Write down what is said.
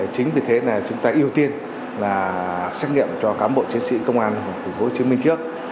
chính vì thế chúng ta ưu tiên xét nghiệm cho cám bộ chiến sĩ công an tp hcm trước